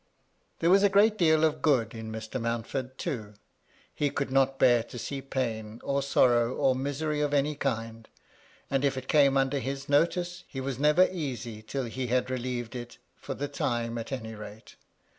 There was a great deal of good in Mr. Mountford, too. He could not bear to see pain, or sorrow, or misery of any kind ; and, if it came under his notice, he was never easy till he had relieved it, for the time, at any rate.